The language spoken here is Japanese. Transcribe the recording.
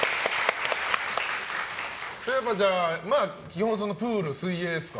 基本プール、水泳ですか。